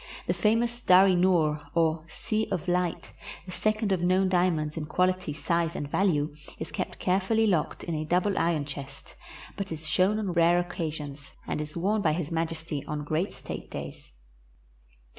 The famous Dar i noor, or Sea of Light, the second of known diamonds in qual ity, size, and value, is kept carefully locked in a double iron chest, but is shown on rare occasions, and is worn by His Majesty on great state days.